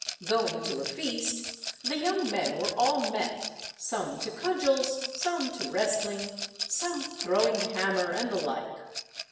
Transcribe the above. Going to a feast, the young men were all met, some to cudgels, some to wrestling, some throwing the hammer, and the like.